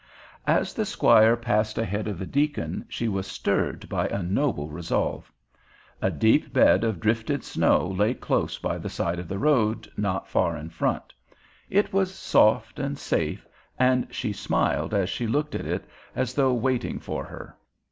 As the squire passed ahead of the deacon she was stirred by a noble resolve. A deep bed of drifted snow lay close by the side of the road not far in front. It was soft and safe and she smiled as she looked at it as though waiting for her.